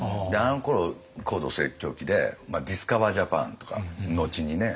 あのころ高度成長期でディスカバー・ジャパンとか後にね。